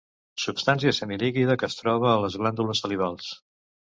Substància semilíquida que es troba a les glàndules salivals.